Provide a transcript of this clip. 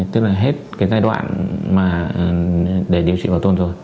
tức là hết cái giai đoạn mà để điều trị bảo tồn rồi